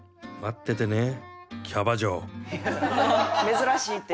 「珍しいって。